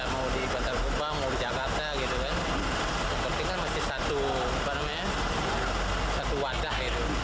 mau di bantar gebang mau di jakarta seperti kan masih satu wadah